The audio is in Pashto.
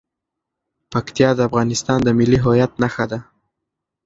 پکتیا د افغانستان د ملي هویت نښه ده.